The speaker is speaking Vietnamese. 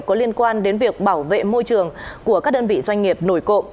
có liên quan đến việc bảo vệ môi trường của các đơn vị doanh nghiệp nổi cộng